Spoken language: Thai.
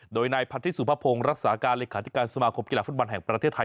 โดยนายพันธิสุภพงศ์รักษาการเลขาธิการสมาคมกีฬาฟุตบอลแห่งประเทศไทย